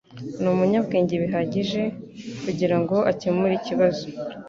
Ni umunyabwenge bihagije kugirango akemure ikibazo.